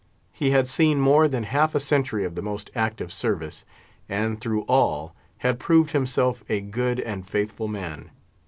He had seen more than half a century of the most active service, and, through all, had proved himself a good and faithful man.